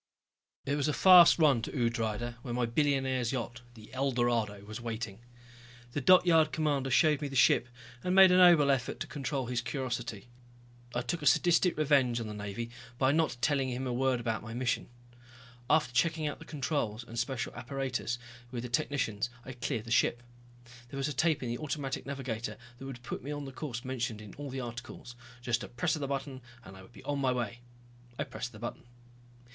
It was a fast run to Udrydde where my billionaire's yacht, the Eldorado, was waiting. The dockyard commander showed me the ship, and made a noble effort to control his curiosity. I took a sadistic revenge on the Navy by not telling him a word about my mission. After checking out the controls and special apparatus with the technicians, I cleared the ship. There was a tape in the automatic navigator that would put me on the course mentioned in all the articles, just a press of a button and I would be on my way. I pressed the button.